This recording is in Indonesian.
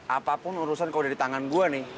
apapun urusan kok udah di tangan gue nih